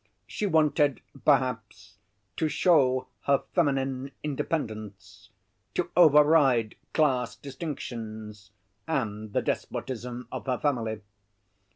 She wanted, perhaps, to show her feminine independence, to override class distinctions and the despotism of her family.